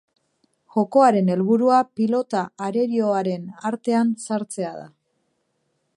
Jokoaren helburua pilota arerioaren atean sartzea da.